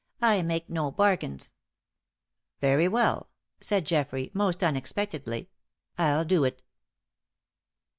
"I make no bargains." "Very well," said Geoffrey, most unexpectedly, "I'll do it."